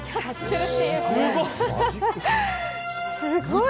すごい！